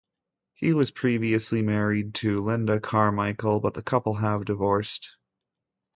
He was previously married to Lynda Carmichael but the couple have divorced.